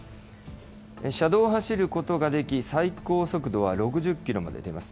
車道を走ることができ、最高速度は６０キロまで出ます。